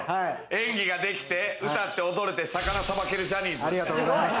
演技ができて、歌って踊れて、魚がさばけるジャニーズ。